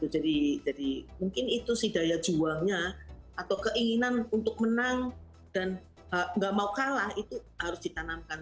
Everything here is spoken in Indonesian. jadi mungkin itu sih daya juangnya atau keinginan untuk menang dan nggak mau kalah itu harus ditanamkan